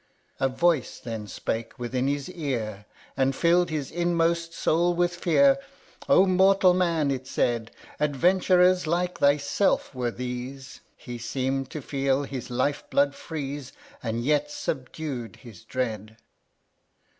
16. A voice then spake within his ear, And filled his inmost soul with fear, â " O mortal Man," it said, " Adventurers like thyself were these ! He seem'd to feel his life blood freeze, And yet subdued his dread.